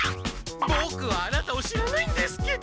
ボクはアナタを知らないんですけど。